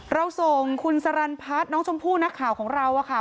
เราส่งคุณสรรพัฒน์น้องชมพู่นักข่าวของเราค่ะ